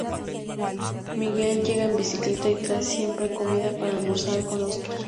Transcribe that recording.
Miguel llega en bicicleta y trae siempre comida para almorzar con Óscar.